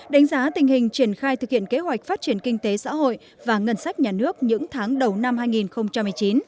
đánh giá tình hình triển khai thực hiện kế hoạch phát triển kinh tế xã hội và ngân sách nhà nước những tháng đầu năm hai nghìn một mươi chín